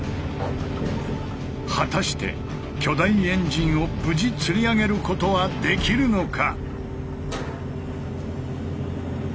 果たして巨大エンジンを無事つり上げることはできるのか？